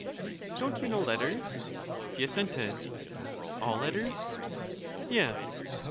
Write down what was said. Don't you know letters? He assented. All letters? Yes.